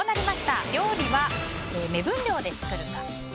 料理は目分量で作るか。